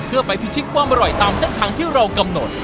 เพื่อไปพิชิตความอร่อยตามเส้นทางที่เรากำหนด